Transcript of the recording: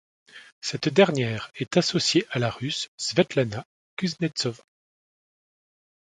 Cette dernière est associée à la Russe Svetlana Kuznetsova.